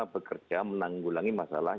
bekerja menanggulangi masalah